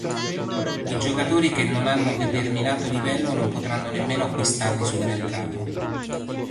I giocatori che non hanno determinato livello non potranno nemmeno acquistarli sul mercato.